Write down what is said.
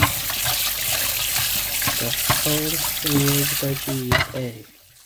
The song's musical key is A.